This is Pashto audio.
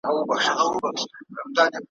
زه خالق یم را لېږلې زه مي زېری د یزدان یم `